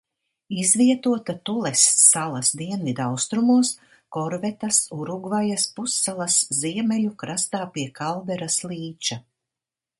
Izvietota Tules salas dienvidaustrumos Korvetas Urugvajas pussalas ziemeļu krastā pie Kalderas līča.